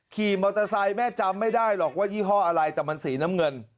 ขี่มอเตอร์ไซค์แม่จำไม่ได้หรอกว่ายี่ห้ออะไรแต่มันสีน้ำเงิน